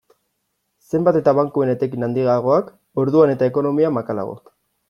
Zenbat eta bankuen etekin handiagoak, orduan eta ekonomia makalago.